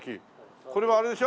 これはあれでしょ？